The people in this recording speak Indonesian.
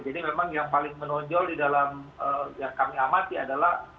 jadi memang yang paling menonjol di dalam yang kami amati adalah